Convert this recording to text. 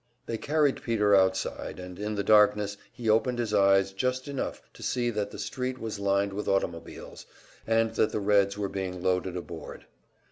They carried Peter outside, and in the darkness he opened his eyes just enough to see that the street was lined with automobiles, and that the Reds were being loaded aboard.